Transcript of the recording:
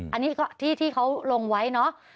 อันนี้ก็ที่เขาลงไว้เนาะ